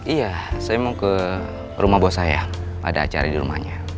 iya saya mau ke rumah buat saya pada acara di rumahnya